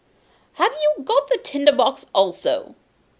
'Have you got the tinder box also?